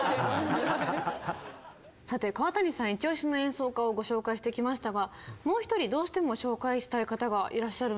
さて川谷さんイチ押しの演奏家をご紹介してきましたがもう一人どうしても紹介したい方がいらっしゃるんですよね？